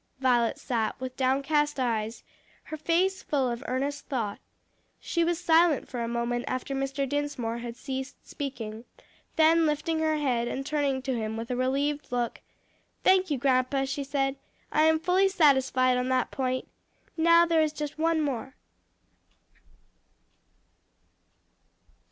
Violet sat with downcast eyes, her face full of earnest thought. She was silent for a moment after Mr. Dinsmore had ceased speaking, then lifting her head and turning to him with a relieved look, "Thank you, grandpa," she said. "I am fully satisfied on that point. Now, there is just one more.